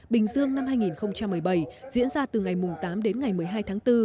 bình dương năm hai nghìn một mươi bảy diễn ra từ ngày tám đến ngày một mươi hai tháng bốn